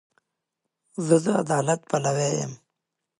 زه د عدالت پلوی یم.